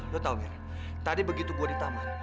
lo tau mir tadi begitu gue di taman